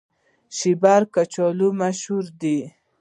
شیبر کچالو مشهور دي؟